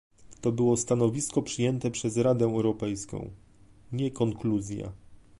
To było stanowisko przyjęte przez Radę Europejską, nie konkluzja